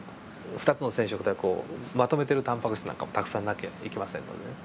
２つの染色体をまとめているタンパク質なんかもたくさんなきゃいけませんのでね。